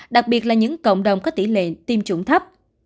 đặc biệt là những cộng đồng có tỷ lệ tiêm chủng thấp